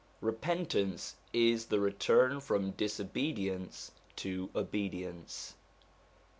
Repentance is the return from disobedience to obedience.